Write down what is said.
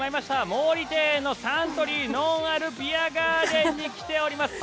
毛利庭園のサントリーのんあるビアガーデンに来ております。